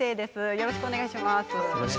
よろしくお願いします。